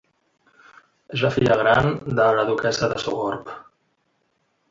És la filla gran de la duquessa de Sogorb.